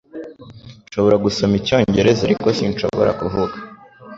Nshobora gusoma Icyongereza ariko sinshobora kuvuga